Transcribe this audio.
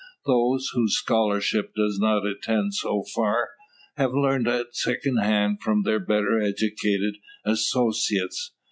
Those, whose scholarship does not extend so far, have learnt them at secondhand from their better educated associates.